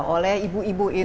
oleh ibu ibu itu